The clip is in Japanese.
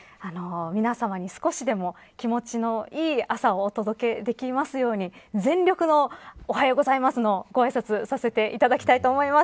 皆さまに少しでも気持ちのいい朝をお届けできますように全力の、おはようございますのごあいさつをさせていただきたいと思います。